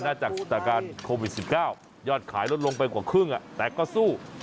จากสถานการณ์โควิด๑๙ยอดขายลดลงไปกว่าครึ่งแต่ก็สู้